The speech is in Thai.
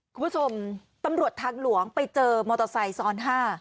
คุณผู้ชมตำรวจทางหลวงไปเจอมอเตอร์ไซค์ซ้อน๕